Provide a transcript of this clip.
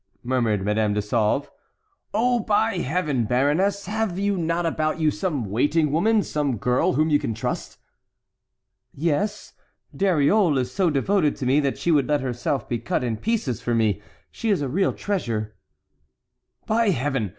murmured Madame de Sauve. "Oh! by Heaven! baroness, have you not about you some waiting woman, some girl whom you can trust?" "Yes, Dariole is so devoted to me that she would let herself be cut in pieces for me; she is a real treasure." "By Heaven!